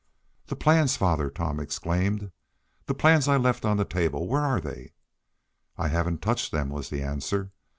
"The plans, father!" Tom exclaimed. "The plans I left on the table! Where are they?" "I haven't touched them," was the answer.